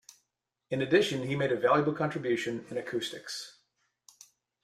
In addition, he made a valuable contribution in acoustics.